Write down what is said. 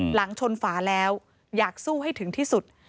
หลังชนฝาแล้วอยากสู้ให้ถึงที่สุด